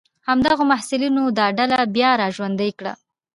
همدغو محصلینو دا ډله بیا را ژوندۍ کړه.